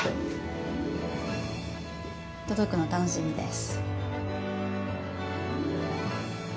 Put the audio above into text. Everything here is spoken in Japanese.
届くの楽しみです。